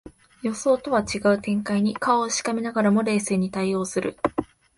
予想とは違う展開に顔をしかめながらも冷静に対応する